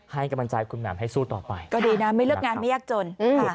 ให้กำลังใจคุณแหม่มให้สู้ต่อไปก็ดีนะไม่เลือกงานไม่ยากจนค่ะ